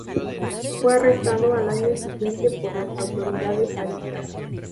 Fue arrestado al año siguiente por las autoridades zaristas.